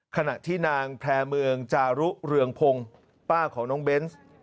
ขณะที่นางแพร่เมืองจารุเรืองพงศ์ป้าของน้องเบนส์